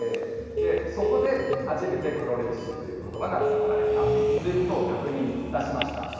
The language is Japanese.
そこで初めて黒歴史ということばが使われたということを確認いたしました。